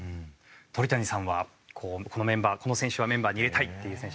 鳥谷さんはこうこの選手はメンバーに入れたいっていう選手は？